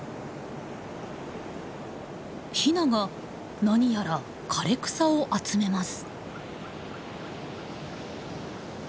ヒナがなにやら枯れ草を集めます。